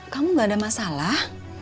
kamu gak ada masalah